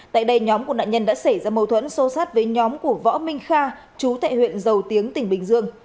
tại đây nhóm của nạn nhân đã xảy ra mâu thuẫn sâu sát với nhóm của võ minh kha chú thệ huyện giàu tiếng tỉnh bình dương